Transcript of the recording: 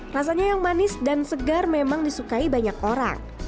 rasanya yang manis dan segar memang disukai banyak orang